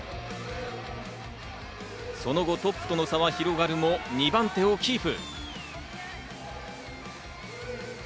その後、トップとの差は広がるも２番手をキープ。